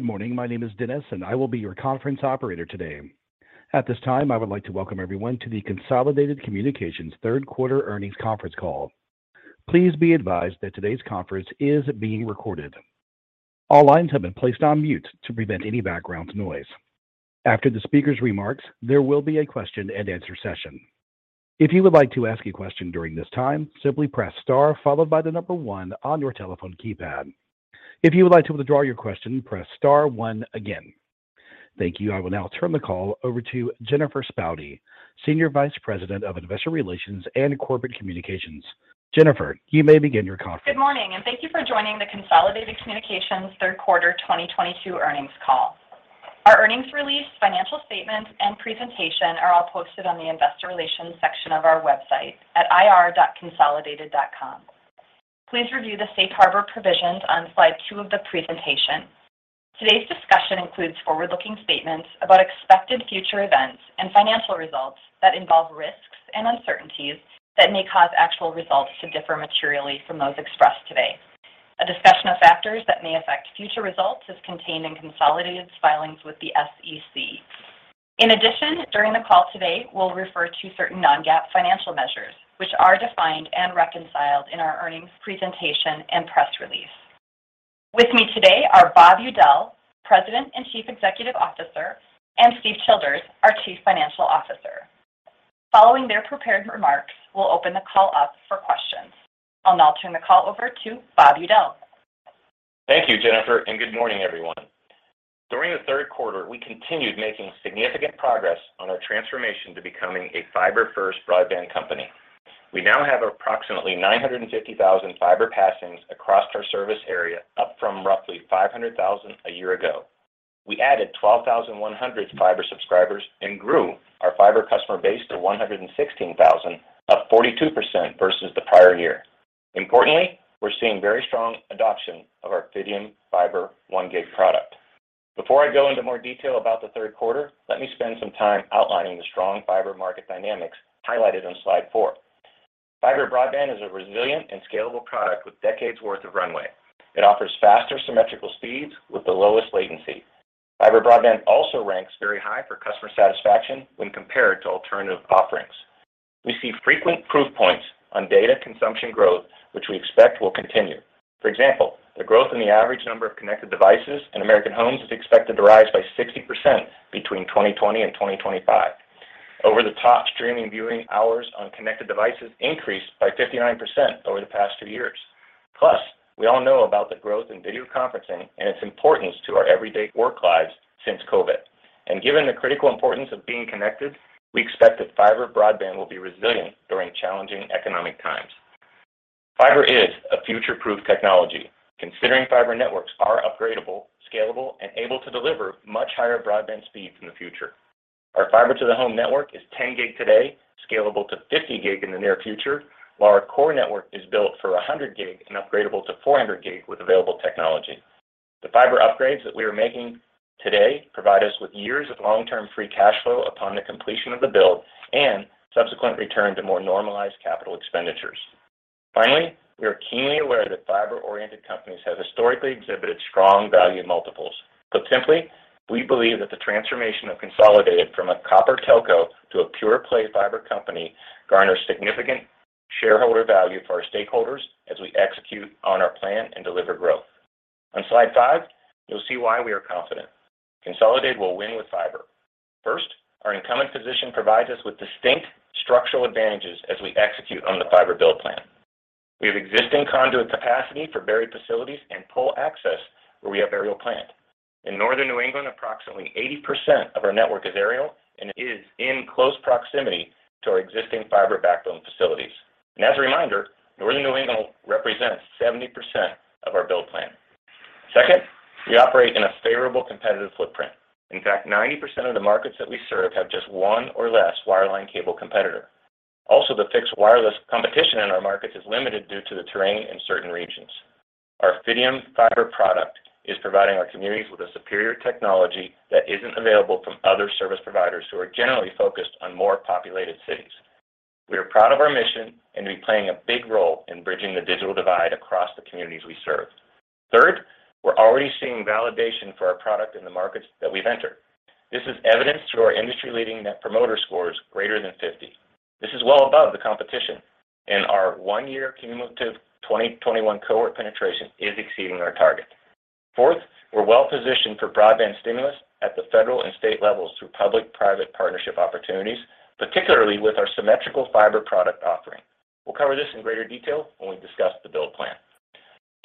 Good morning. My name is Dennis, and I will be your conference operator today. At this time, I would like to welcome everyone to the Consolidated Communications third quarter earnings conference call. Please be advised that today's conference is being recorded. All lines have been placed on mute to prevent any background noise. After the speaker's remarks, there will be a question and answer session. If you would like to ask a question during this time, simply press star followed by the number one on your telephone keypad. If you would like to withdraw your question, press star one again. Thank you. I will now turn the call over to Jennifer Spaude, Senior Vice President of Investor Relations and Corporate Communications. Jennifer, you may begin your conference. Good morning, and thank you for joining the Consolidated Communications third quarter 2022 earnings call. Our earnings release, financial statements, and presentation are all posted on the investor relations section of our website at ir.consolidated.com. Please review the safe harbor provisions on slide two of the presentation. Today's discussion includes forward-looking statements about expected future events and financial results that involve risks and uncertainties that may cause actual results to differ materially from those expressed today. A discussion of factors that may affect future results is contained in Consolidated's filings with the SEC. In addition, during the call today, we'll refer to certain non-GAAP financial measures, which are defined and reconciled in our earnings presentation and press release. With me today are Bob Udell, President and Chief Executive Officer, and Steve Childers, our Chief Financial Officer. Following their prepared remarks, we'll open the call up for questions. I'll now turn the call over to Bob Udell. Thank you, Jennifer, and good morning, everyone. During the third quarter, we continued making significant progress on our transformation to becoming a fiber-first broadband company. We now have approximately 950,000 fiber passings across our service area, up from roughly 500,000 a year ago. We added 12,100 fiber subscribers and grew our fiber customer base to 116,000, up 42% versus the prior year. Importantly, we're seeing very strong adoption of our Fidium Fiber one gig product. Before I go into more detail about the third quarter, let me spend some time outlining the strong fiber market dynamics highlighted on slide four. Fiber broadband is a resilient and scalable product with decades worth of runway. It offers faster symmetrical speeds with the lowest latency. Fiber broadband also ranks very high for customer satisfaction when compared to alternative offerings. We see frequent proof points on data consumption growth, which we expect will continue. For example, the growth in the average number of connected devices in American homes is expected to rise by 60% between 2020 and 2025. Over-the-top streaming viewing hours on connected devices increased by 59% over the past two years. Plus, we all know about the growth in video conferencing and its importance to our everyday work lives since COVID. Given the critical importance of being connected, we expect that fiber broadband will be resilient during challenging economic times. Fiber is a future-proof technology, considering fiber networks are upgradable, scalable, and able to deliver much higher broadband speeds in the future. Our fiber to the home network is 10 gig today, scalable to 50 gig in the near future, while our core network is built for 100 gig and upgradable to 400 gig with available technology. The fiber upgrades that we are making today provide us with years of long-term free cash flow upon the completion of the build and subsequent return to more normalized capital expenditures. Finally, we are keenly aware that fiber-oriented companies have historically exhibited strong value multiples. Put simply, we believe that the transformation of Consolidated from a copper telco to a pure play fiber company garners significant shareholder value for our stakeholders as we execute on our plan and deliver growth. On slide five, you'll see why we are confident. Consolidated will win with fiber. First, our incumbent position provides us with distinct structural advantages as we execute on the fiber build plan. We have existing conduit capacity for buried facilities and pole access where we have aerial plant. In Northern New England, approximately 80% of our network is aerial and is in close proximity to our existing fiber backbone facilities. As a reminder, Northern New England represents 70% of our build plan. Second, we operate in a favorable competitive footprint. In fact, 90% of the markets that we serve have just one or less wireline cable competitor. Also, the fixed wireless competition in our markets is limited due to the terrain in certain regions. Our Fidium Fiber product is providing our communities with a superior technology that isn't available from other service providers who are generally focused on more populated cities. We are proud of our mission and to be playing a big role in bridging the digital divide across the communities we serve. Third, we're already seeing validation for our product in the markets that we've entered. This is evidenced through our industry-leading net promoter scores greater than 50. This is well above the competition, and our one-year cumulative 2021 cohort penetration is exceeding our target. Fourth, we're well positioned for broadband stimulus at the federal and state levels through public-private partnership opportunities, particularly with our symmetrical fiber product offering. We'll cover this in greater detail when we discuss the build plan.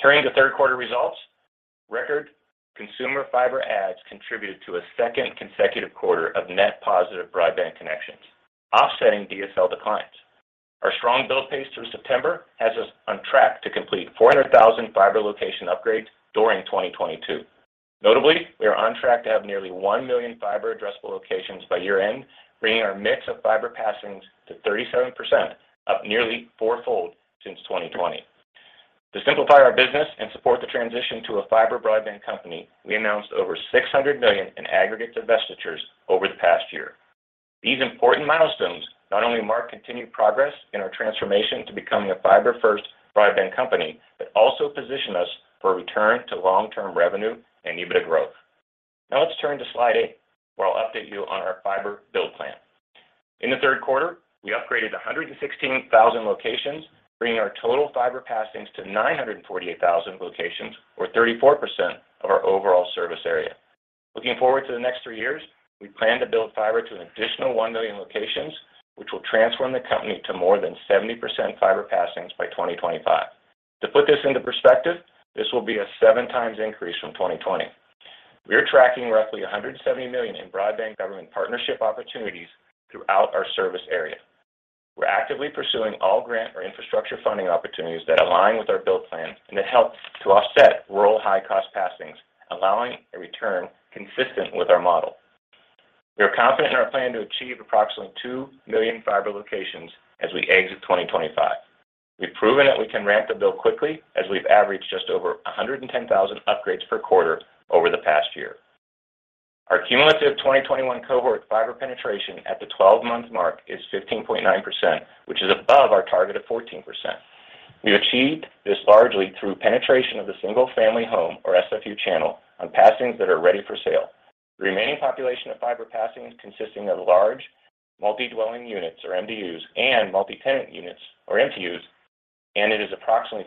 Turning to third quarter results, record consumer fiber adds contributed to a second consecutive quarter of net positive broadband connections, offsetting DSL declines. Our strong build pace through September has us on track to complete 400,000 fiber location upgrades during 2022. Notably, we are on track to have nearly 1 million fiber addressable locations by year-end, bringing our mix of fiber passings to 37%, up nearly four-fold since 2020. To simplify our business and support the transition to a fiber broadband company, we announced over $600 million in aggregate divestitures over the past year. These important milestones not only mark continued progress in our transformation to becoming a fiber first broadband company, but also position us for a return to long-term revenue and EBITDA growth. Now let's turn to slide eight, where I'll update you on our fiber build plan. In the third quarter, we upgraded 116,000 locations, bringing our total fiber passings to 948,000 locations or 34% of our overall service area. Looking forward to the next three years, we plan to build fiber to an additional 1 million locations, which will transform the company to more than 70% fiber passings by 2025. To put this into perspective, this will be a 7x increase from 2020. We are tracking roughly $170 million in broadband government partnership opportunities throughout our service area. We're actively pursuing all grant or infrastructure funding opportunities that align with our build plan and that help to offset rural high cost passings, allowing a return consistent with our model. We are confident in our plan to achieve approximately 2 million fiber locations as we exit 2025. We've proven that we can ramp the bill quickly as we've averaged just over 110,000 upgrades per quarter over the past year. Our cumulative 2021 cohort fiber penetration at the 12-month mark is 15.9%, which is above our target of 14%. We achieved this largely through penetration of the single-family home or SFU channel on passings that are ready for sale. The remaining population of fiber passings consisting of large multi-dwelling units, or MDUs, and multi-tenant units, or MTUs, and it is approximately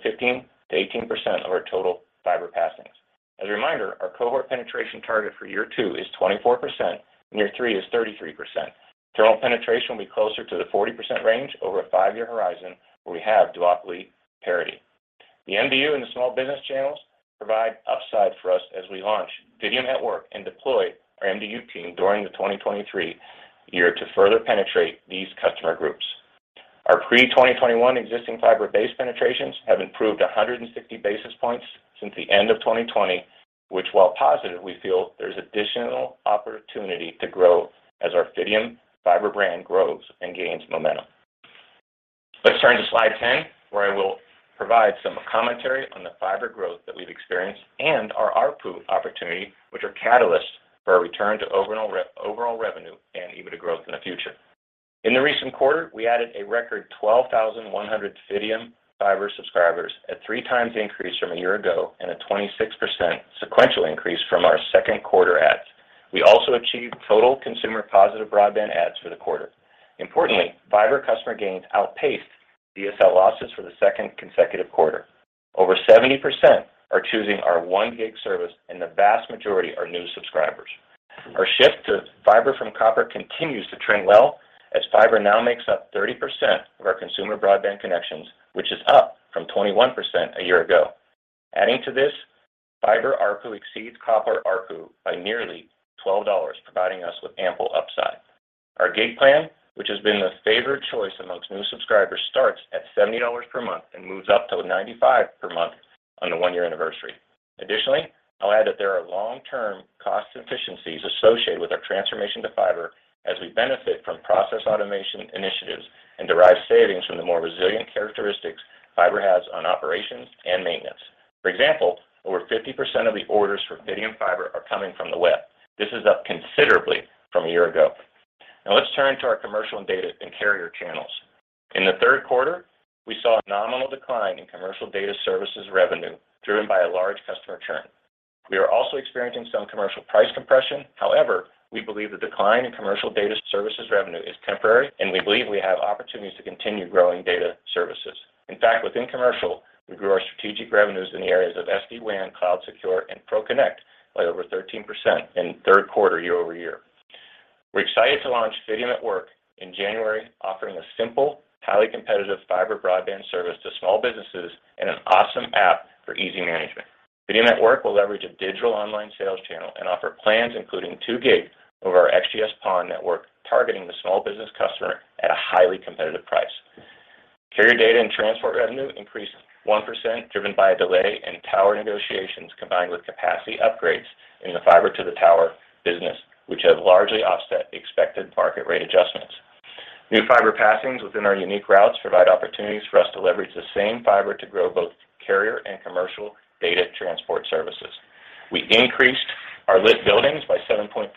15%-18% of our total fiber passings. As a reminder, our cohort penetration target for year two is 24% and year three is 33%. Total penetration will be closer to the 40% range over a five-year horizon where we have duopoly parity. The MDU and the small business channels provide upside for us as we launch Fidium Fiber and deploy our MDU team during the 2023 year to further penetrate these customer groups. Our pre-2021 existing fiber base penetrations have improved 160 basis points since the end of 2020, which while positive, we feel there's additional opportunity to grow as our Fidium Fiber brand grows and gains momentum. Let's turn to slide 10, where I will provide some commentary on the fiber growth that we've experienced and our ARPU opportunity, which are catalysts for our return to overall revenue and EBITDA growth in the future. In the recent quarter, we added a record 12,100 Fidium Fiber subscribers at three times the increase from a year ago and a 26% sequential increase from our second quarter adds. We also achieved total consumer positive broadband adds for the quarter. Importantly, fiber customer gains outpaced DSL losses for the second consecutive quarter. Over 70% are choosing our 1 gig service, and the vast majority are new subscribers. Our shift to fiber from copper continues to trend well as fiber now makes up 30% of our consumer broadband connections, which is up from 21% a year ago. Adding to this, fiber ARPU exceeds copper ARPU by nearly $12, providing us with ample upside. Our gig plan, which has been the favored choice amongst new subscribers, starts at $70 per month and moves up to $95 per month on the one-year anniversary. Additionally, I'll add that there are long-term cost efficiencies associated with our transformation to fiber as we benefit from process automation initiatives and derive savings from the more resilient characteristics fiber has on operations and maintenance. For example, over 50% of the orders for Fidium Fiber are coming from the web. This is up considerably from a year ago. Now let's turn to our commercial and data and carrier channels. In the third quarter, we saw a nominal decline in commercial data services revenue, driven by a large customer churn. We are also experiencing some commercial price compression. However, we believe the decline in commercial data services revenue is temporary, and we believe we have opportunities to continue growing data services. In fact, within commercial, we grew our strategic revenues in the areas of SD-WAN, Cloud Secure, and ProConnect by over 13% in third quarter year-over-year. We're excited to launch Fidium at Work in January, offering a simple, highly competitive fiber broadband service to small businesses and an awesome app for easy management. Fidium at Work will leverage a digital online sales channel and offer plans including 2 gig over our XGS-PON network, targeting the small business customer at a highly competitive price. Carrier data and transport revenue increased 1%, driven by a delay in tower negotiations combined with capacity upgrades in the fiber to the tower business, which have largely offset the expected market rate adjustments. New fiber passings within our unique routes provide opportunities for us to leverage the same fiber to grow both carrier and commercial data transport services. We increased our lit buildings by 7.5%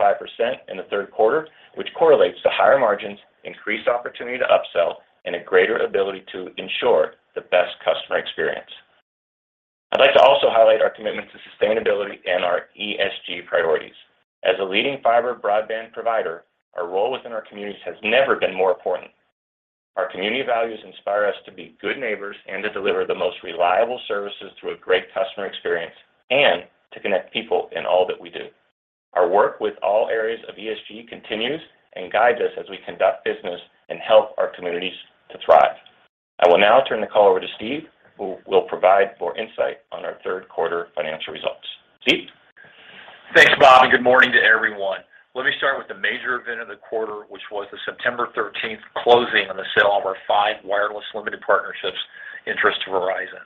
in the third quarter, which correlates to higher margins, increased opportunity to upsell, and a greater ability to ensure the best customer experience. I'd like to also highlight our commitment to sustainability and our ESG priorities. As a leading fiber broadband provider, our role within our communities has never been more important. Our community values inspire us to be good neighbors and to deliver the most reliable services through a great customer experience and to connect people in all that we do. Our work with all areas of ESG continues and guides us as we conduct business and help our communities to thrive. I will now turn the call over to Steve, who will provide more insight on our third quarter financial results. Steve? Thanks, Bob, and good morning to everyone. Let me start with the major event of the quarter, which was the September 13th closing on the sale of our five wireless limited partnerships interest to Verizon.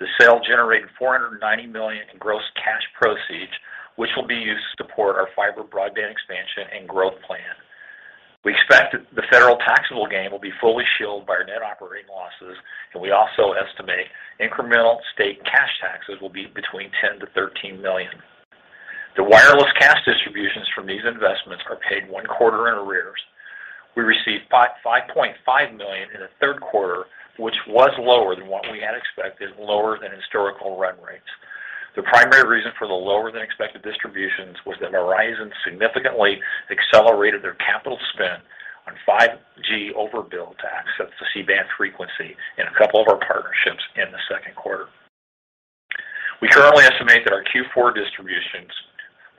The sale generated $490 million in gross cash proceeds, which will be used to support our fiber broadband expansion and growth plan. We expect the federal taxable gain will be fully shielded by our net operating losses, and we also estimate incremental state cash taxes will be between $10-$13 million. The wireless cash distributions from these investments are paid one quarter in arrears. We received $5.5 million in the third quarter, which was lower than what we had expected, lower than historical run rates. The primary reason for the lower than expected distributions was that Verizon significantly accelerated their capital spend on 5G overbuild to access the C-band frequency in a couple of our partnerships in the second quarter. We currently estimate that our Q4 distributions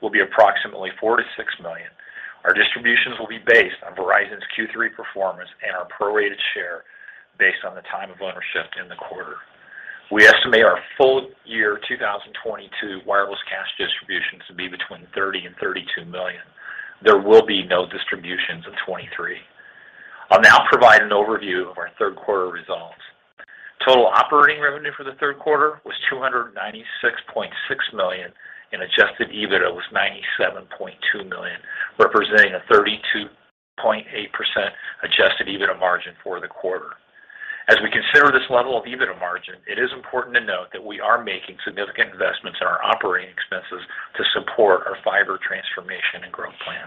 will be approximately $4-$6 million. Our distributions will be based on Verizon's Q3 performance and our prorated share based on the time of ownership in the quarter. We estimate our full year 2022 wireless cash distributions to be between $30-$32 million. There will be no distributions in 2023. I'll now provide an overview of our third quarter results. Total operating revenue for the third quarter was $296.6 million, and adjusted EBITDA was $97.2 million, representing a 32.8% adjusted EBITDA margin for the quarter. As we consider this level of EBITDA margin, it is important to note that we are making significant investments in our operating expenses to support our fiber transformation and growth plan.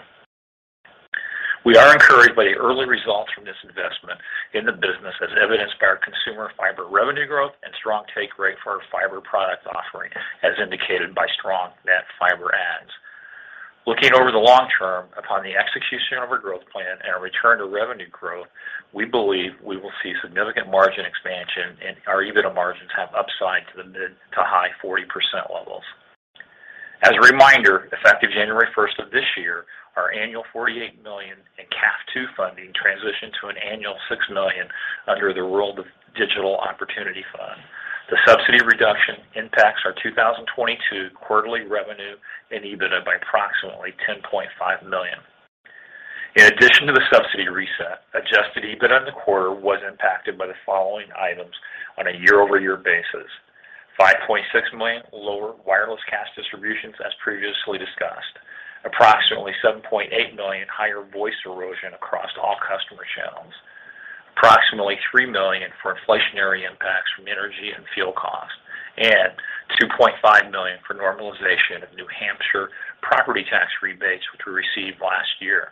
We are encouraged by the early results from this investment in the business as evidenced by our consumer fiber revenue growth and strong take rate for our fiber product offering, as indicated by strong net fiber adds. Looking over the long term, upon the execution of our growth plan and a return to revenue growth, we believe we will see significant margin expansion and our EBITDA margins have upside to the mid- to high-40% levels. As a reminder, effective January first of this year, our annual $48 million in CAF II funding transitioned to an annual $6 million under the Rural Digital Opportunity Fund. The subsidy reduction impacts our 2022 quarterly revenue and EBITDA by approximately $10.5 million. In addition to the subsidy reset, adjusted EBITDA in the quarter was impacted by the following items on a year-over-year basis. $5.6 million lower wireless cash distributions, as previously discussed. Approximately $7.8 million higher voice erosion across all customer channels. Approximately $3 million for inflationary impacts from energy and fuel costs, and $2.5 million for normalization of New Hampshire property tax rebates, which we received last year.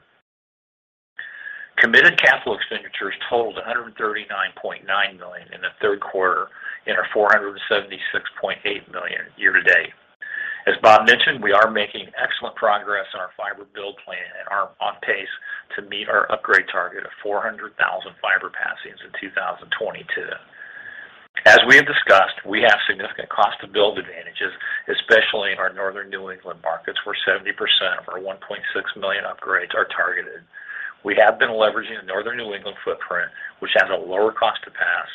Committed capital expenditures totaled $139.9 million in the third quarter and are $476.8 million year to date. As Bob mentioned, we are making excellent progress on our fiber build plan and are on pace to meet our upgrade target of 400,000 fiber passings in 2022. We have discussed, we have significant cost to build advantages, especially in our northern New England markets, where 70% of our 1.6 million upgrades are targeted. We have been leveraging the northern New England footprint, which has a lower cost to pass.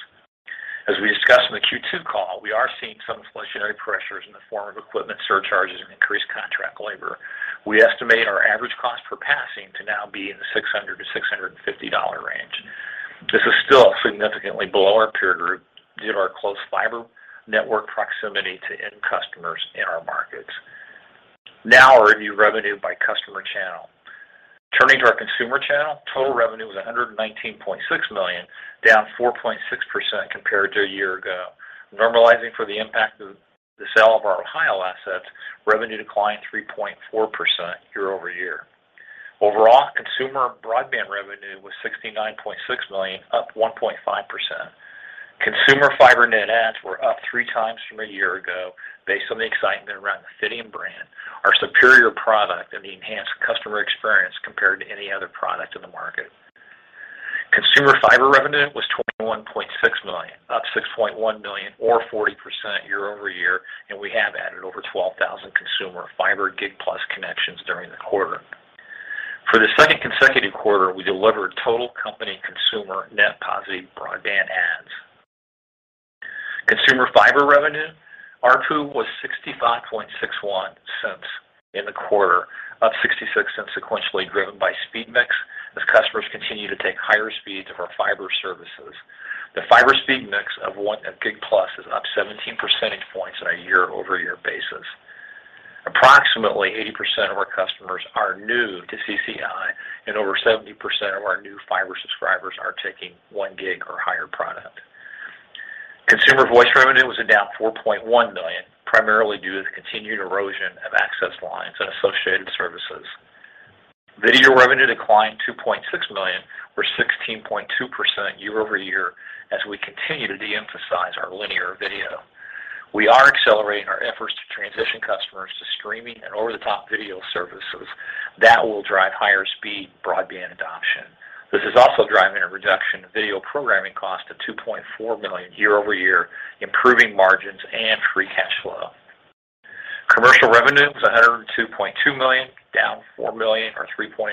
We discussed in the Q2 call, we are seeing some inflationary pressures in the form of equipment surcharges and increased contract labor. We estimate our average cost per passing to now be in the $600-$650 range. This is still significantly below our peer group due to our close fiber network proximity to end customers in our markets. Now I'll review revenue by customer channel. Turning to our consumer channel, total revenue was $119.6 million, down 4.6% compared to a year ago. Normalizing for the impact of the sale of our Ohio assets, revenue declined 3.4% year-over-year. Overall, consumer broadband revenue was $69.6 million, up 1.5%. Consumer fiber net adds were up three times from a year ago based on the excitement around the Fidium brand, our superior product, and the enhanced customer experience compared to any other product in the market. Consumer fiber revenue was $21.6 million, up $6.1 million or 40% year-over-year, and we have added over 12,000 consumer fiber gig plus connections during the quarter. For the second consecutive quarter, we delivered total company consumer net positive broadband adds. Consumer fiber revenue ARPU was $0.6561 in the quarter, up $0.66 sequentially driven by speed mix as customers continue to take higher speeds of our fiber services. The fiber speed mix of 1 gig plus is up 17 percentage points on a year-over-year basis. Approximately 80% of our customers are new to CCI, and over 70% of our new fiber subscribers are taking 1 gig or higher product. Consumer voice revenue was down $4.1 million, primarily due to the continued erosion of access lines and associated services. Video revenue declined $2.6 million, or 16.2% year-over-year, as we continue to de-emphasize our linear video. We are accelerating our efforts to transition customers to streaming and over-the-top video services that will drive higher speed broadband adoption. This is also driving a reduction in video programming cost to $2.4 million year-over-year, improving margins and free cash flow. Commercial revenue was $102.2 million, down $4 million or 3.8%.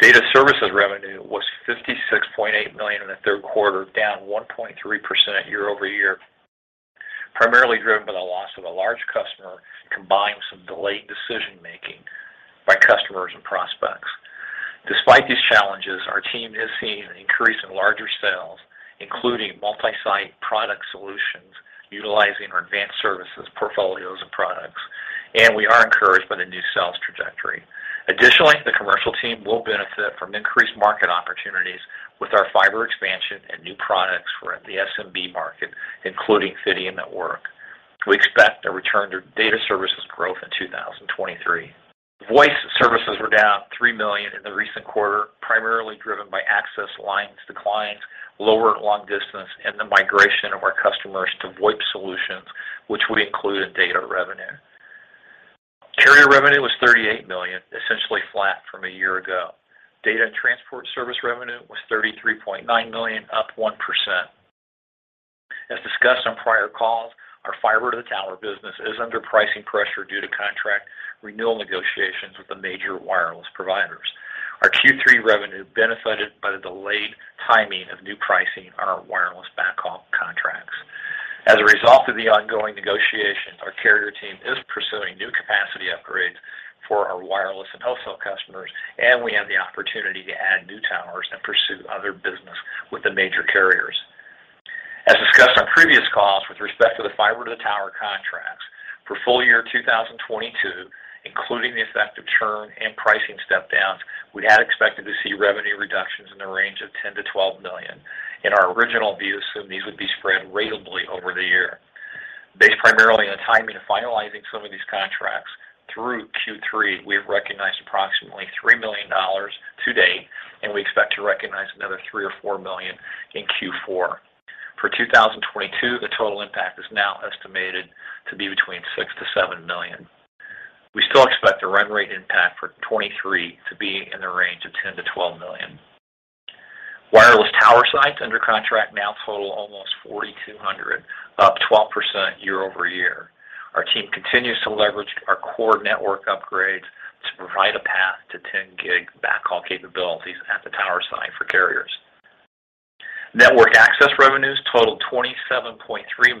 Data services revenue was $56.8 million in the third quarter, down 1.3% year-over-year, primarily driven by the loss of a large customer combined with some delayed decision making by customers and prospects. Despite these challenges, our team has seen an increase in larger sales, including multi-site product solutions utilizing our advanced services portfolios and products. Additionally, the commercial team will benefit from increased market opportunities with our fiber expansion and new products for the SMB market, including Ethernet. We expect a return to data services growth in 2023. Voice services were down $3 million in the recent quarter, primarily driven by access lines declines, lower long distance, and the migration of our customers to VoIP solutions, which we include in data revenue. Carrier revenue was $38 million, essentially flat from a year ago. Data and transport service revenue was $33.9 million, up 1%. As discussed on prior calls, our fiber to the tower business is under pricing pressure due to contract renewal negotiations with the major wireless providers. Our Q3 revenue benefited by the delayed timing of new pricing on our wireless backhaul contracts. As a result of the ongoing negotiations, our carrier team is pursuing new capacity upgrades for our wireless and wholesale customers, and we have the opportunity to add new towers and pursue other business with the major carriers. As discussed on previous calls with respect to the fiber to the tower contracts, for full year 2022, including the effect of churn and pricing step downs, we had expected to see revenue reductions in the range of $10-$12 million, and our original views assumed these would be spread ratably over the year. Based primarily on timing and finalizing some of these contracts through Q3, we have recognized approximately $3 million to date, and we expect to recognize another $3-$4 million in Q4. For 2022, the total impact is now estimated to be between $6-$7 million. We still expect the run rate impact for 2023 to be in the range of $10-$12 million. Wireless tower sites under contract now total almost 4,200, up 12% year-over-year. Our team continues to leverage our core network upgrades to provide a path to 10-gig backhaul capabilities at the tower site for carriers. Network access revenues totaled $27.3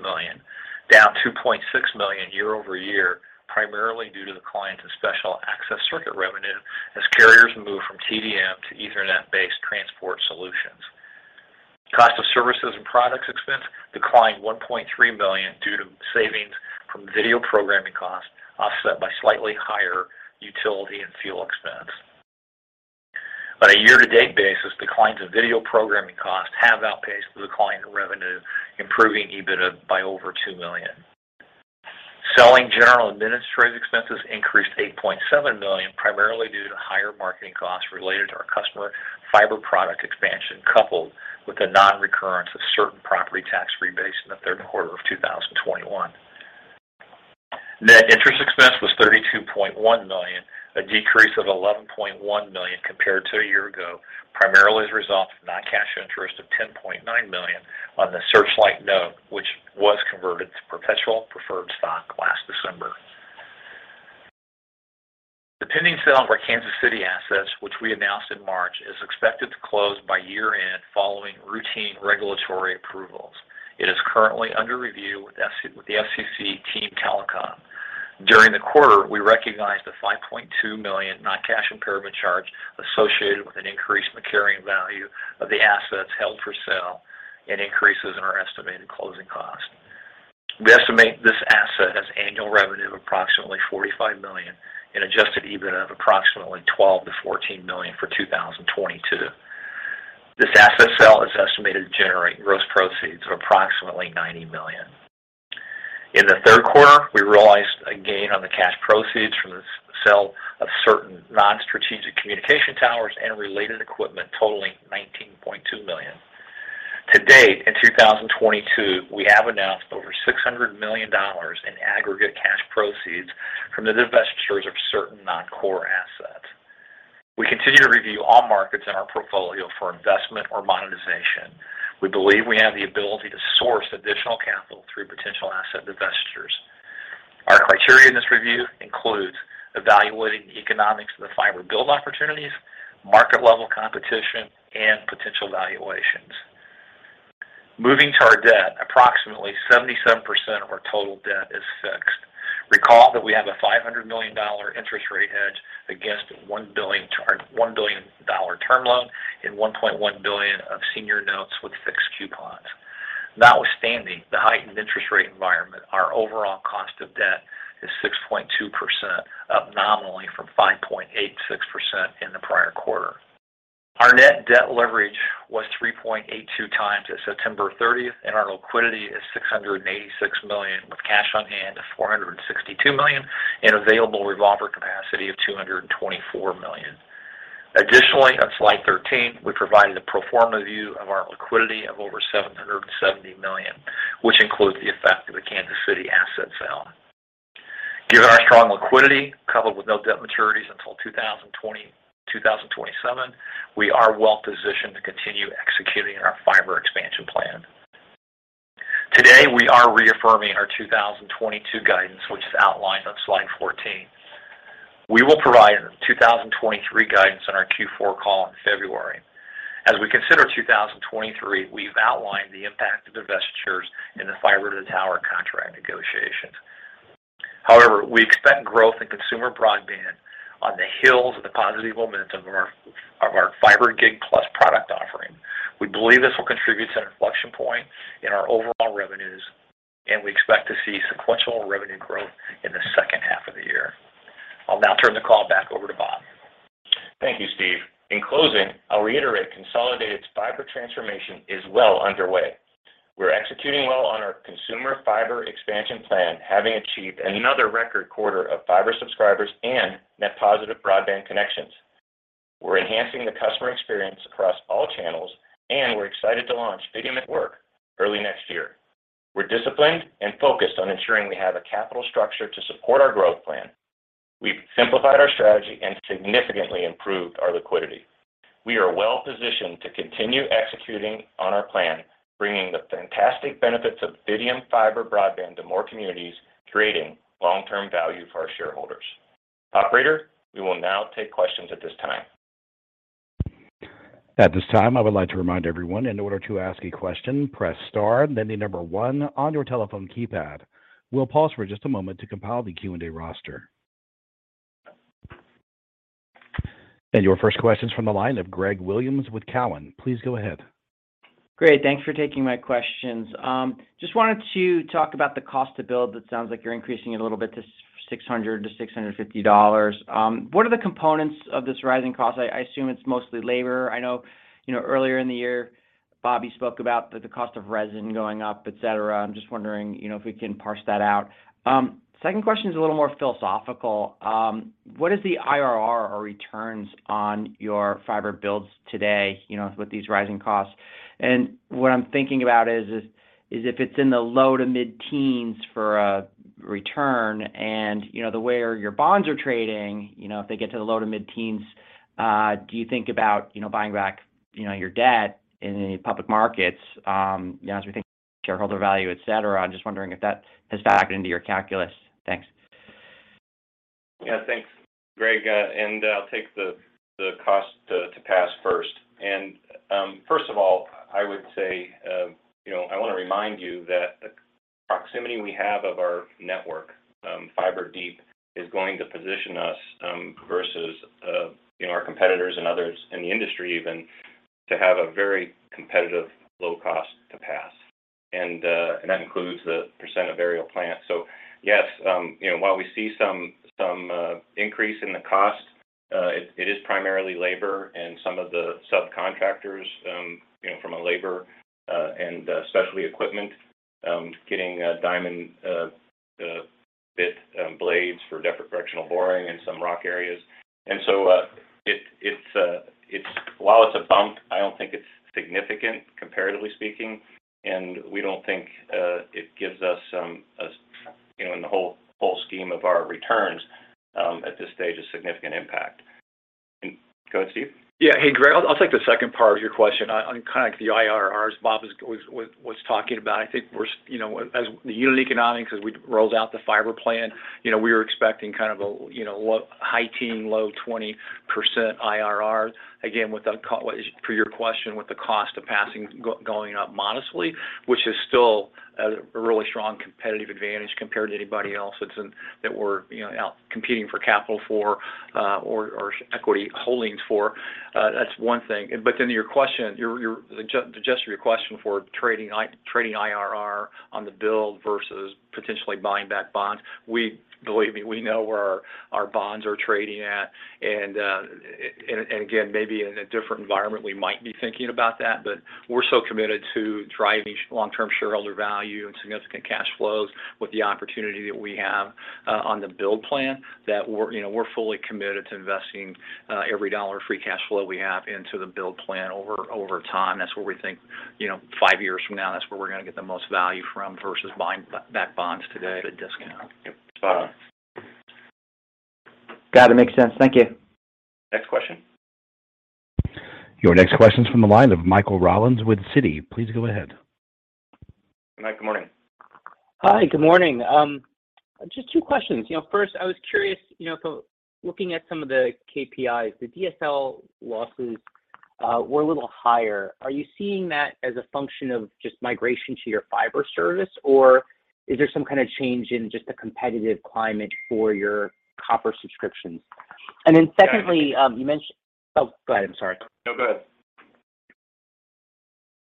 million, down $2.6 million year-over-year, primarily due to the decline in special access circuit revenue as carriers move from TDM to Ethernet-based transport solutions. Cost of services and products expense declined $1.3 million due to savings from video programming costs, offset by slightly higher utility and fuel expense. On a year-to-date basis, declines in video programming costs have outpaced the decline in revenue, improving EBITDA by over $2 million. Selling general administrative expenses increased to $8.7 million, primarily due to higher marketing costs related to our customer fiber product expansion, coupled with the non-recurrence of certain property tax rebates in the third quarter of 2021. Net interest expense was $32.1 million, a decrease of $11.1 million compared to a year ago, primarily as a result of non-cash interest of $10.9 million on the Searchlight note, which was converted to perpetual preferred stock last December. The pending sale of our Kansas City assets, which we announced in March, is expected to close by year-end following routine regulatory approvals. It is currently under review with the FCC Team Telecom. During the quarter, we recognized a $5.2 million non-cash impairment charge associated with an increase in the carrying value of the assets held for sale and increases in our estimated closing cost. We estimate this asset has annual revenue of approximately $45 million and adjusted EBITDA of approximately $12-$14 million for 2022. This asset sale is estimated to generate gross proceeds of approximately $90 million. In the third quarter, we realized a gain on the cash proceeds from the sale of certain non-strategic communication towers and related equipment totaling $19.2 million. To date, in 2022, we have announced over $600 million in aggregate cash proceeds from the divestitures of certain non-core assets. We continue to review all markets in our portfolio for investment or monetization. We believe we have the ability to source additional capital through potential asset divestitures. Our criteria in this review includes evaluating the economics of the fiber build opportunities, market level competition, and potential valuations. Moving to our debt, approximately 77% of our total debt is fixed. Recall that we have a $500 million interest rate hedge against 1 billion dollar term loan and $1.1 billion of senior notes with fixed coupons. Notwithstanding the heightened interest rate environment, our overall cost of debt is 6.2%, up nominally from 5.86% in the prior quarter. Our net debt leverage was 3.82x at September 30, and our liquidity is $686 million, with cash on hand of $462 million and available revolver capacity of $224 million. Additionally, on slide 13, we provided a pro forma view of our liquidity of over $770 million, which includes the effect of the Kansas City asset sale. Given our strong liquidity, coupled with no debt maturities until 2027, we are well positioned to continue executing our fiber expansion plan. Today, we are reaffirming our 2022 guidance, which is outlined on slide 14. We will provide 2023 guidance on our Q4 call in February. As we consider 2023, we've outlined the impact of divestitures in the fiber to the tower contract negotiations. However, we expect growth in consumer broadband on the heels of the positive momentum of our fiber gig plan. We believe this will contribute to an inflection point in our overall revenues, and we expect to see sequential revenue growth in the second half of the year. I'll now turn the call back over to Bob. Thank you, Steve. In closing, I'll reiterate Consolidated's fiber transformation is well underway. We're executing well on our consumer fiber expansion plan, having achieved another record quarter of fiber subscribers and net positive broadband connections. We're enhancing the customer experience across all channels, and we're excited to launch Fidium at Work early next year. We're disciplined and focused on ensuring we have a capital structure to support our growth plan. We've simplified our strategy and significantly improved our liquidity. We are well-positioned to continue executing on our plan, bringing the fantastic benefits of Fidium Fiber broadband to more communities, creating long-term value for our shareholders. Operator, we will now take questions at this time. At this time, I would like to remind everyone in order to ask a question, press star, then the number one on your telephone keypad. We'll pause for just a moment to compile the Q&A roster. Your first question's from the line of Greg Williams with Cowen. Please go ahead. Great. Thanks for taking my questions. Just wanted to talk about the cost to build. It sounds like you're increasing it a little bit to $600-$650. What are the components of this rising cost? I assume it's mostly labor. I know, you know, earlier in the year, Bob, you spoke about the cost of resin going up, et cetera. I'm just wondering, you know, if we can parse that out. Second question is a little more philosophical. What is the IRR or returns on your fiber builds today, you know, with these rising costs? What I'm thinking about is if it's in the low to mid-teens for a return and, you know, the way your bonds are trading, you know, if they get to the low to mid-teens, do you think about, you know, buying back, you know, your debt in any public markets, you know, as we think about shareholder value, et cetera. I'm just wondering if that has factored into your calculus. Thanks. Yeah, thanks, Greg. I'll take the cost to pass first. First of all, I would say, you know, I wanna remind you that the proximity we have of our network, fiber deep, is going to position us, versus, you know, our competitors and others in the industry even, to have a very competitive low cost to pass. And that includes the percent of aerial plant. Yes, you know, while we see some increase in the cost, it is primarily labor and some of the subcontractors, you know, from a labor and specialty equipment, getting diamond bit blades for directional boring in some rock areas. While it's a bump, I don't think it's significant comparatively speaking, and we don't think it gives us some, you know, in the whole scheme of our returns, at this stage, a significant impact. Go ahead, Steve. Yeah. Hey, Greg, I'll take the second part of your question on kinda like the IRRs Bob was talking about. I think we're, you know, as the unit economics, as we rolled out the fiber plan, you know, we were expecting kind of a, you know, high-teen, low-20% IRR. Again, with the cost of passing going up modestly, which is still a really strong competitive advantage compared to anybody else that's that we're, you know, out competing for capital for or equity holdings for. That's one thing. To your question, the gist of your question for trading IRR on the build versus potentially buying back bonds. Believe me, we know where our bonds are trading at. Again, maybe in a different environment, we might be thinking about that. But we're so committed to driving long-term shareholder value and significant cash flows with the opportunity that we have on the build plan that we're, you know, we're fully committed to investing every dollar of free cash flow we have into the build plan over time. That's where we think, you know, five years from now, that's where we're gonna get the most value from versus buying back bonds today at a discount. Yep. Got it. Makes sense. Thank you. Next question. Your next question's from the line of Michael Rollins with Citi. Please go ahead. Mike, good morning. Hi, good morning. Just two questions. You know, first, I was curious, you know, if looking at some of the KPIs, the DSL losses were a little higher. Are you seeing that as a function of just migration to your fiber service, or is there some kind of change in just the competitive climate for your copper subscriptions? Secondly- Yeah You mentioned. Oh, go ahead. I'm sorry. No, go ahead.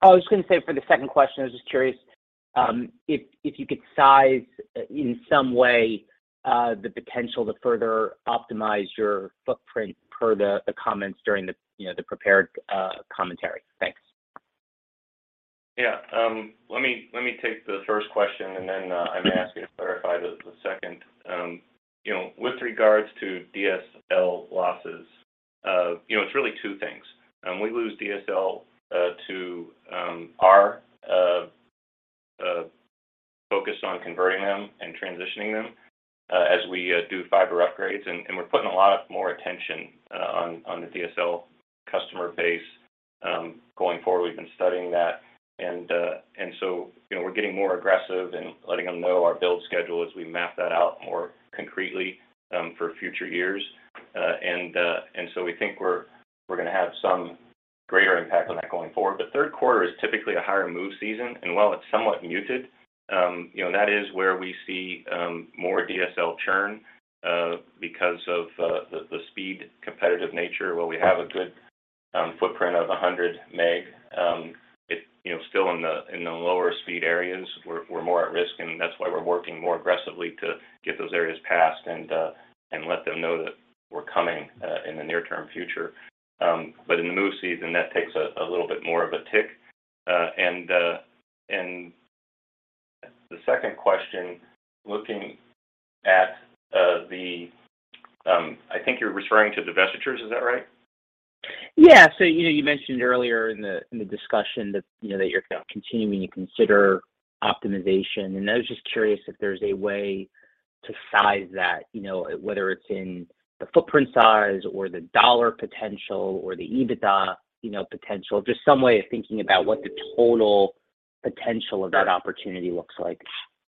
I was just gonna say for the second question, I was just curious if you could size in some way the potential to further optimize your footprint per the comments during the you know the prepared commentary. Thanks. Yeah. Let me take the first question, and then I may ask you to clarify the second. You know, with regards to DSL losses, you know, it's really two things. We lose DSL to our focus on converting them and transitioning them as we do fiber upgrades. We're putting a lot more attention on the DSL customer base. Going forward, we've been studying that, and so you know, we're getting more aggressive in letting them know our build schedule as we map that out more concretely for future years. We think we're gonna have some greater impact on that going forward. Third quarter had a higher move season. While it's somewhat muted, you know, and that is where we see more DSL churn because of the speed competitive nature, where we have a good footprint of 100 meg. You know, still in the lower speed areas, we're more at risk, and that's why we're working more aggressively to get those areas passed and let them know that we're coming in the near-term future. In the move season, that takes a little bit more of a tick. And the second question, looking at the, I think you're referring to divestitures, is that right? Yeah. You know, you mentioned earlier in the discussion that, you know, that you're continuing to consider optimization, and I was just curious if there's a way to size that, you know, whether it's in the footprint size or the dollar potential or the EBITDA potential. Just some way of thinking about what the total potential of that opportunity looks like.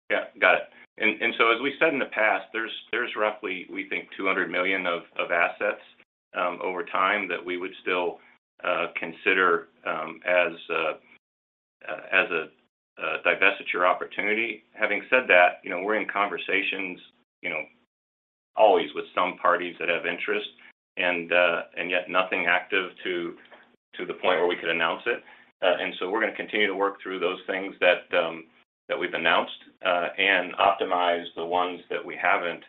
Yeah. Got it. As we said in the past, there's roughly, we think, $200 million of assets over time that we would still consider as a divestiture opportunity. Having said that, you know, we're in conversations, you know, always with some parties that have interest and yet nothing active to the point where we could announce it. We're gonna continue to work through those things that we've announced and optimize the ones that we haven't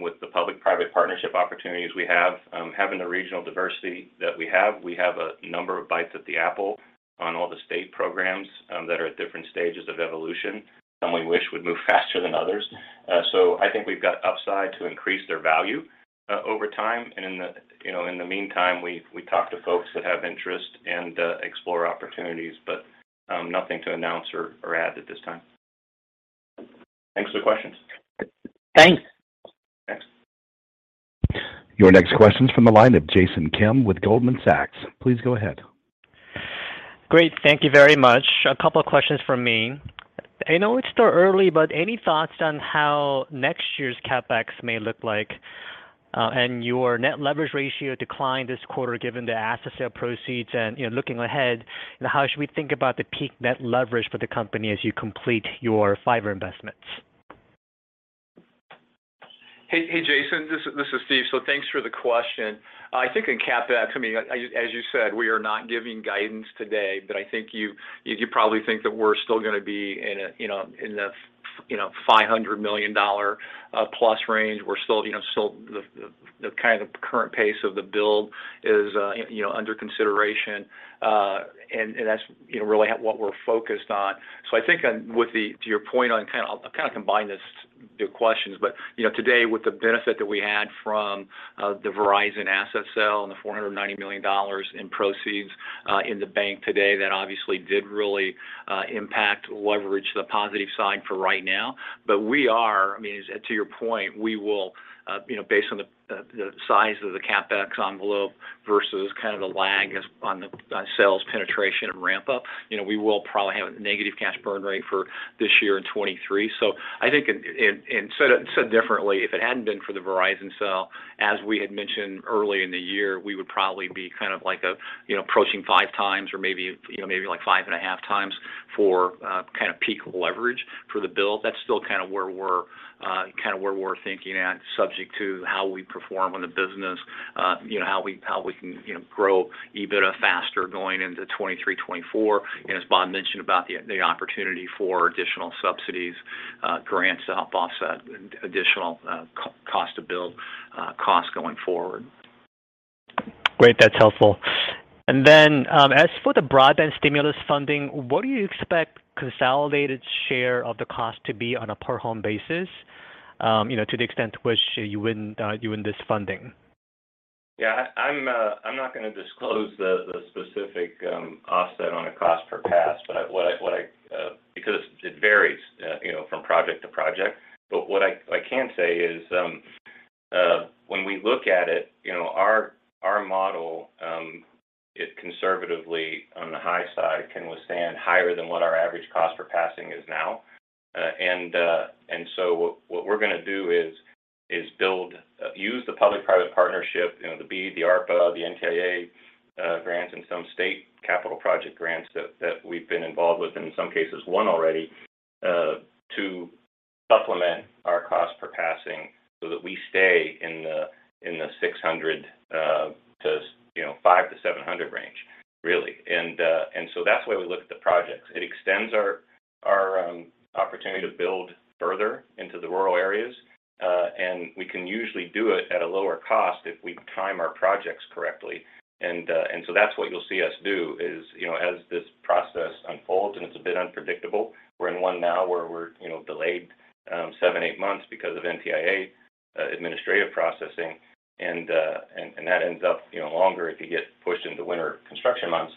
with the public-private partnership opportunities we have. Having the regional diversity that we have, we have a number of bites at the apple on all the state programs that are at different stages of evolution. Some we wish would move faster than others. I think we've got upside to increase their value over time. In the meantime, you know, we talk to folks that have interest and explore opportunities, but nothing to announce or add at this time. Thanks for the questions. Thanks. Thanks. Your next question is from the line of Jason Kim with Goldman Sachs. Please go ahead. Great. Thank you very much. A couple of questions from me. I know it's still early, but any thoughts on how next year's CapEx may look like? Your net leverage ratio declined this quarter given the asset sale proceeds and, you know, looking ahead, how should we think about the peak net leverage for the company as you complete your fiber investments? Hey, Jason. This is Steve. Thanks for the question. I think in CapEx, I mean, as you said, we are not giving guidance today, but I think you probably think that we're still gonna be in a, you know, $500 million plus range. We're still, you know, the kind of current pace of the build is, you know, under consideration, and that's, you know, really what we're focused on. I think to your point on kind of, I'll kind of combine this, the questions, but you know, today with the benefit that we had from the Verizon asset sale and the $490 million in proceeds in the bank today, that obviously did really impact leverage on the positive side for right now. But we are, I mean, to your point, we will you know, based on the size of the CapEx envelope versus kind of the lag in the sales penetration and ramp up, you know, we will probably have a negative cash burn rate for this year in 2023. I think, said differently, if it hadn't been for the Verizon sale, as we had mentioned early in the year, we would probably be kind of like approaching 5x or maybe like 5.5x for kind of peak leverage for the build. That's still kind of where we're thinking at, subject to how we perform on the business, how we can grow EBITDA faster going into 2023, 2024. As Bob mentioned about the opportunity for additional subsidies, grants to help offset additional costs to build costs going forward. Great. That's helpful. As for the broadband stimulus funding, what do you expect Consolidated's share of the cost to be on a per home basis, you know, to the extent to which you win this funding? I'm not gonna disclose the specific offset on a cost per pass, but what I can say is because it varies, you know, from project to project. When we look at it, you know, our model conservatively on the high side can withstand higher than what our average cost per passing is now. What we're gonna do is use the public-private partnership, you know, the BEAD, the ARPA, the NTIA grants and some state capital project grants that we've been involved with, in some cases won already, to supplement our cost per passing so that we stay in the $500-$700 range, really. That's the way we look at the projects. It extends our opportunity to build further into the rural areas, and we can usually do it at a lower cost if we time our projects correctly. That's what you'll see us do is, you know, as this process unfolds, and it's a bit unpredictable. We're in one now where we're, you know, delayed 7-8 months because of NTIA administrative processing, and that ends up, you know, longer if you get pushed into winter construction months.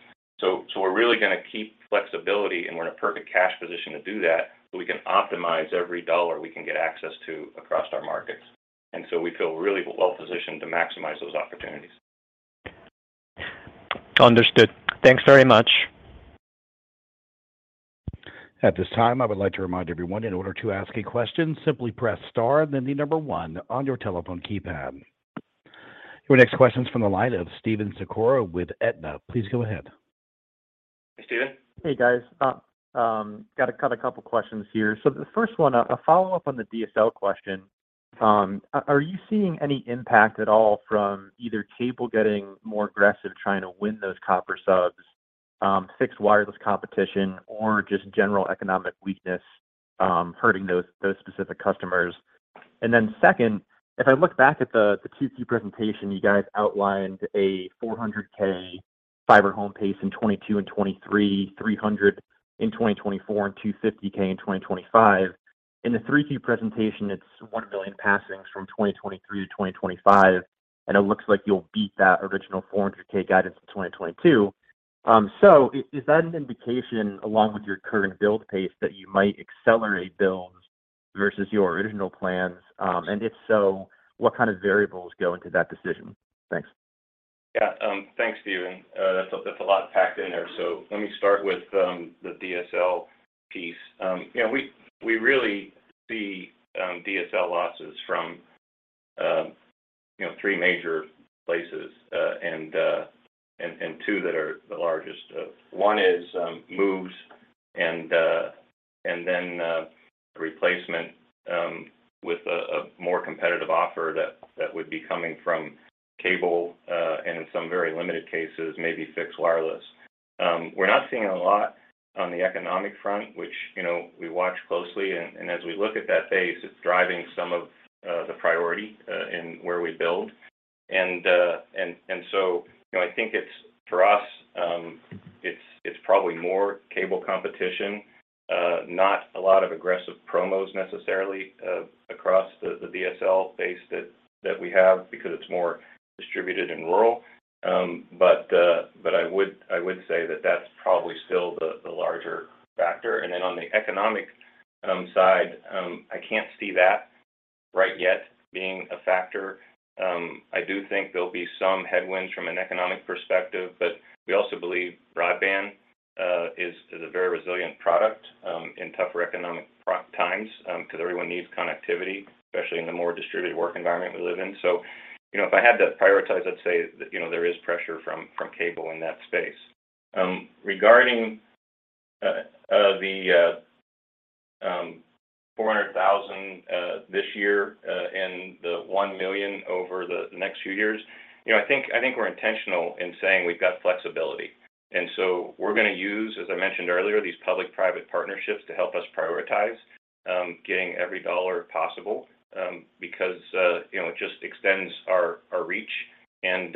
We're really gonna keep flexibility, and we're in a perfect cash position to do that, so we can optimize every dollar we can get access to across our markets. We feel really well-positioned to maximize those opportunities. Understood. Thanks very much. At this time, I would like to remind everyone in order to ask a question, simply press star then the number one on your telephone keypad. Your next question is from the line of Steven Tsykoura with Aetna. Please go ahead. Hey, Steven. Hey, guys. Got a couple questions here. The first one, a follow-up on the DSL question. Are you seeing any impact at all from either cable getting more aggressive trying to win those copper subs, fixed wireless competition, or just general economic weakness, hurting those specific customers? Second, if I look back at the Q2 presentation, you guys outlined a 400K fiber home pace in 2022 and 2023, 300 in 2024, and 250K in 2025. In the Q3 presentation, it's 1 billion passings from 2023 to 2025, and it looks like you'll beat that original 400K guidance in 2022. Is that an indication along with your current build pace that you might accelerate builds versus your original plans? If so, what kind of variables go into that decision? Thanks. Yeah, thanks, Steven. That's a lot packed in there. Let me start with the DSL piece. You know, we really see DSL losses from you know, three major places, and two that are the largest. One is moves and then replacement with a more competitive offer that would be coming from cable, and in some very limited cases, maybe fixed wireless. We're not seeing a lot on the economic front, which you know, we watch closely and as we look at that base, it's driving some of the priority in where we build. You know, I think it's for us, it's probably more cable competition, not a lot of aggressive promos necessarily, across the DSL base that we have because it's more distributed and rural. I would say that that's probably still the larger factor. On the economic slide, I can't see that right yet being a factor. I do think there'll be some headwinds from an economic perspective, but we also believe broadband is a very resilient product in tougher economic times, 'cause everyone needs connectivity, especially in the more distributed work environment we live in. You know, if I had to prioritize, I'd say, you know, there is pressure from cable in that space. Regarding the 400,000 this year and the 1 million over the next few years. You know, I think we're intentional in saying we've got flexibility. We're gonna use, as I mentioned earlier, these public-private partnerships to help us prioritize getting every dollar possible because you know, it just extends our reach and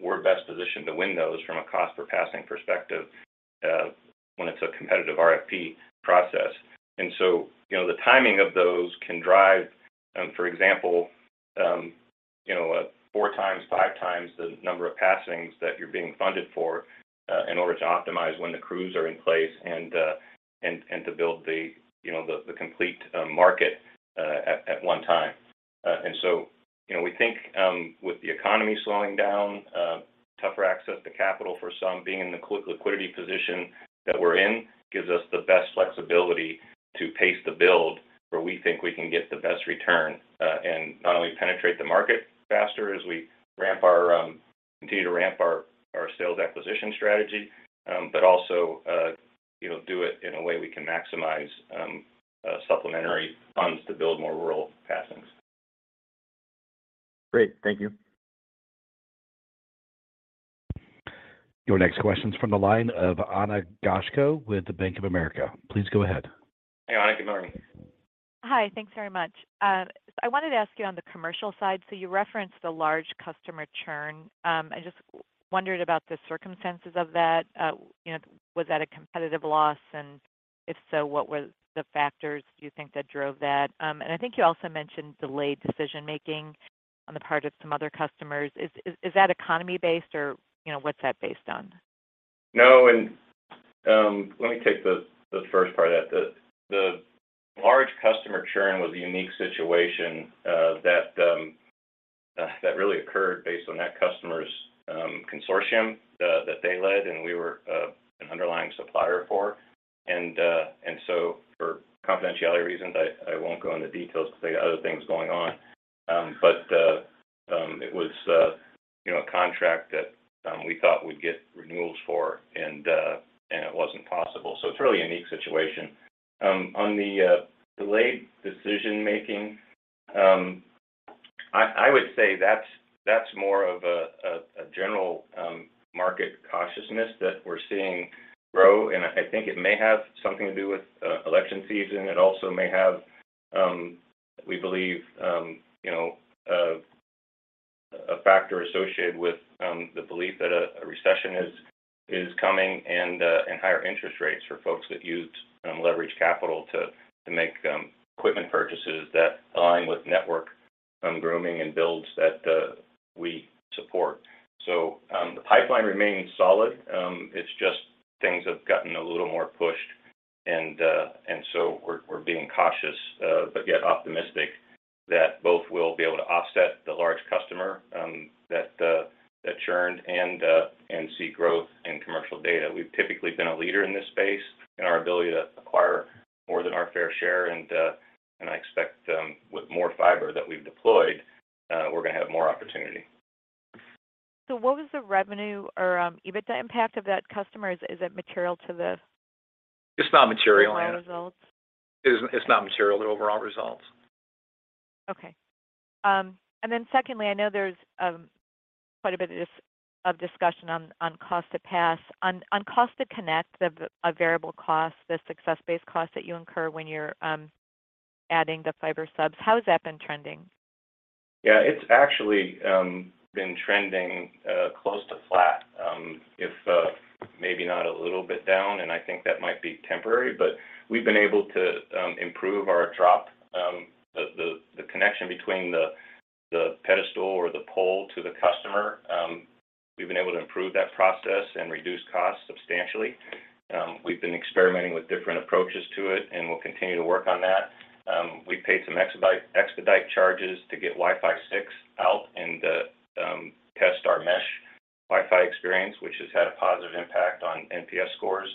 we're best positioned to win those from a cost per passing perspective when it's a competitive RFP process. You know, the timing of those can drive, for example, you know, four times, five times the number of passings that you're being funded for in order to optimize when the crews are in place and to build the complete market at one time. You know, we think with the economy slowing down, tougher access to capital for some, being in the strong liquidity position that we're in, gives us the best flexibility to pace the build where we think we can get the best return, and not only penetrate the market faster as we continue to ramp our sales acquisition strategy, but also, you know, do it in a way we can maximize supplementary funds to build more rural passings. Great. Thank you. Your next question is from the line of Ana Goshko with the Bank of America. Please go ahead. Hey, Ana. Good morning. Hi. Thanks very much. I wanted to ask you on the commercial side. You referenced the large customer churn. I just wondered about the circumstances of that. You know, was that a competitive loss? If so, what were the factors you think that drove that? I think you also mentioned delayed decision making on the part of some other customers. Is that economy based or, you know, what's that based on? No. Let me take the first part of that. The large customer churn was a unique situation that really occurred based on that customer's consortium that they led, and we were an underlying supplier for. For confidentiality reasons, I won't go into details 'cause they got other things going on. It was, you know, a contract that we thought we'd get renewals for and it wasn't possible. It's a really unique situation. On the delayed decision making, I would say that's more of a general market cautiousness that we're seeing grow, and I think it may have something to do with election season. It also may have we believe you know a factor associated with the belief that a recession is coming and higher interest rates for folks that used leveraged capital to make equipment purchases that align with network grooming and builds that we support. The pipeline remains solid. It's just things have gotten a little more pushed and so we're being cautious but yet optimistic that both will be able to offset the large customer that churned and see growth in commercial data. We've typically been a leader in this space in our ability to acquire more than our fair share, and I expect with more fiber that we've deployed we're gonna have more opportunity. What was the revenue or EBITDA impact of that customer? Is it material to the- It's not material, Ana Overall results? It's not material to overall results. Okay. Secondly, I know there's quite a bit of discussion on cost to pass, on cost to connect, a variable cost, the success-based cost that you incur when you're adding the fiber subs. How has that been trending? Yeah. It's actually been trending close to flat, if maybe not a little bit down, and I think that might be temporary. We've been able to improve our drop, the connection between the pedestal or the pole to the customer. We've been able to improve that process and reduce costs substantially. We've been experimenting with different approaches to it, and we'll continue to work on that. We paid some expedite charges to get Wi-Fi 6 out and test our mesh Wi-Fi experience, which has had a positive impact on NPS scores.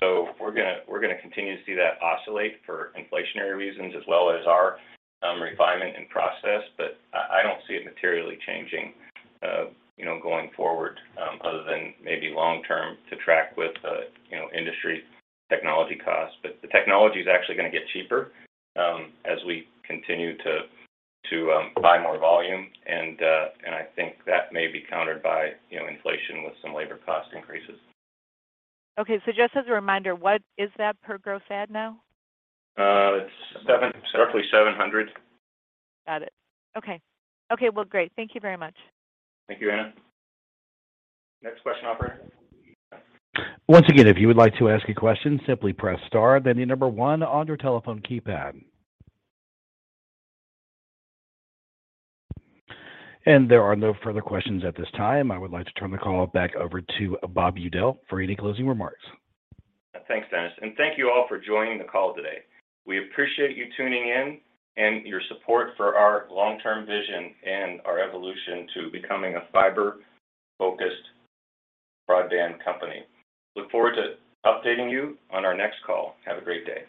We're gonna continue to see that oscillate for inflationary reasons as well as our refinement and process. I don't see it materially changing, you know, going forward, other than maybe long term to track with, you know, industry technology costs. But the technology's actually gonna get cheaper, as we continue to buy more volume, and I think that may be countered by, you know, inflation with some labor cost increases. Okay. Just as a reminder, what is that per gross add now? It's roughly 700. Got it. Okay. Well, great. Thank you very much. Thank you, Ana. Next question, operator. Once again, if you would like to ask a question, simply press star then one on your telephone keypad. There are no further questions at this time. I would like to turn the call back over to Bob Udell for any closing remarks. Thanks, Dennis, and thank you all for joining the call today. We appreciate you tuning in and your support for our long-term vision and our evolution to becoming a fiber-focused broadband company. Look forward to updating you on our next call. Have a great day.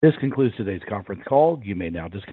This concludes today's conference call. You may now disconnect.